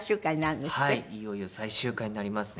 いよいよ最終回になりますね。